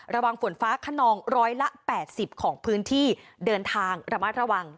ระวังฝนฟ้าขนองร้อยละแปดสิบของพื้นที่เดินทางระมัดระวัง